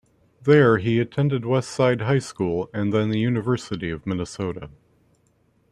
There, he attended West Side High School and then the University of Minnesota.